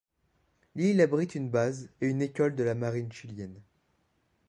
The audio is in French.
L'île abrite une base et une école de la marine chilienne.